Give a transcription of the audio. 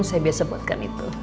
saya biasa buatkan itu